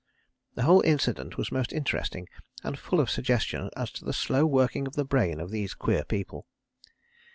The whole incident was most interesting and full of suggestion as to the slow working of the brain of these queer people.